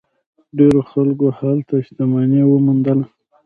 ډیرو خلکو هلته شتمني وموندله.